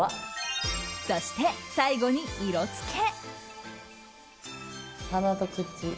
そして、最後に色つけ。